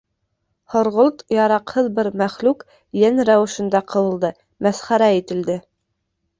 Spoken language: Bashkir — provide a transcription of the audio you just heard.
Һорғолт яраҡһыҙ бер мәхлүк йән рәүешендә ҡыуылды, мәсхәрә ителде.